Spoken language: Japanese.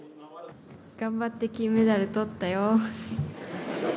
頑張って金メダルとったよ。